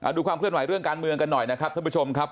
ดูความเคลื่อนไหวเรื่องการเมืองกันหน่อยนะครับท่านผู้ชมครับ